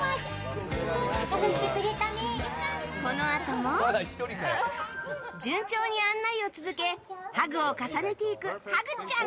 このあとも順調に道案内を続けハグを重ねていく、ハグちゃん。